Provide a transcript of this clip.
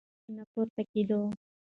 هیڅ غږ نه پورته کېده.